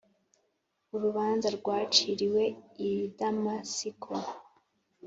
Urubanza rwaciriwe iDamasiko